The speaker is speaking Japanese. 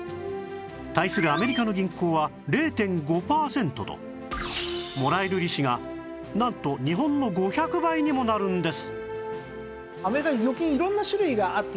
対するアメリカの銀行は ０．５ パーセントともらえる利子がなんと日本の５００倍にもなるんです